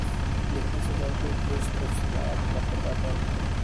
لکھنے سے پہلے کچھ تفصیلات کا پتہ کر لیں